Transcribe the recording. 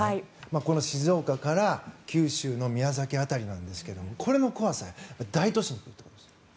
この静岡から九州の宮崎辺りまでなんですがこれの怖さ大都市に来ることです。